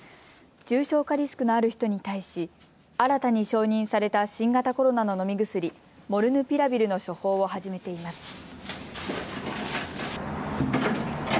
重症化リスクのある人に対し新たに承認された新型コロナの飲み薬、モルヌピラビルの処方を始めています。